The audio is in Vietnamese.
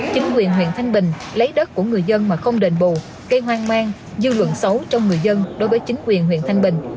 chính quyền huyện thanh bình lấy đất của người dân mà không đền bù gây hoang mang dư luận xấu trong người dân đối với chính quyền huyện thanh bình